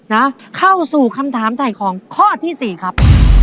นะเข้าสู่คำถามถ่ายของข้อที่สี่ครับ